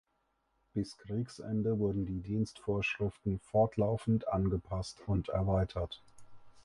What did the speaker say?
Bis Kriegsende wurden die Dienstvorschriften fortlaufend angepasst und erweitert.